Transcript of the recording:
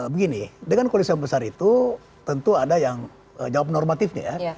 begini dengan koalisi yang besar itu tentu ada yang jawab normatifnya ya